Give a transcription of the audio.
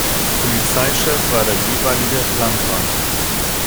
Polizeichef war der jeweilige Landrat.